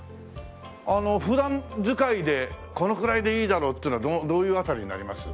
あの普段使いでこのくらいでいいだろうっていうのはどういう辺りになります？